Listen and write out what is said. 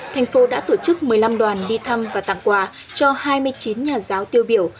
thành phố đã tổ chức một mươi năm đoàn đi thăm và tặng quà cho hai mươi chín nhà giáo tiêu biểu